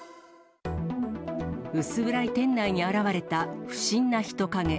薄暗い店内に現れた不審な人影。